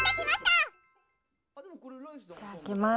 じゃあ、開けます。